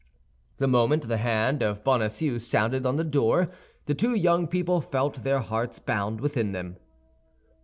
The moment the hand of Bonacieux sounded on the door, the two young people felt their hearts bound within them.